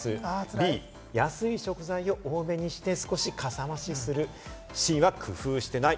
Ｂ、安い食材を多めにして少しかさ増しする、Ｃは工夫していない。